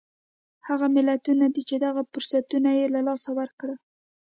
هغه ملتونه دي چې دغه فرصتونه یې له لاسه ورکړل.